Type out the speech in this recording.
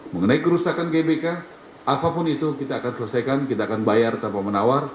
mengenai kerusakan gbk apapun itu kita akan selesaikan kita akan bayar tanpa menawar